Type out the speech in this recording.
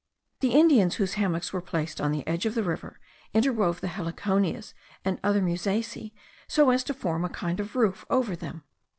The Indians whose hammocks were placed on the edge of the river, interwove the heliconias and other musaceae, so as to form a kind of roof over them.